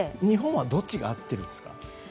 日本はどちらが合っているんですか？